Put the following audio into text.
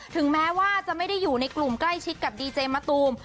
ถึงแม้ว่าจะไม่ได้อยู่ในกลุ่มใกล้ชิดกับดีเจมะตูม